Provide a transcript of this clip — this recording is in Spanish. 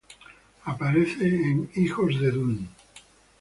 Aparece en "Hijos de Dune".